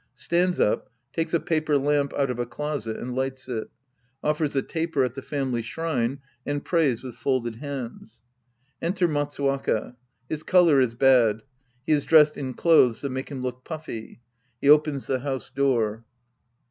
{Stands up, takes a paper lamp out of a closet, and lights it. Offers a taper at the family shrine and prays with folded^hands. Enter Matsu waka. His color is bad. He is dressed in clothes that make him look puffy. He opens the house door.)